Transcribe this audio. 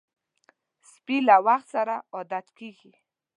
سپي له وخت سره عادت کېږي.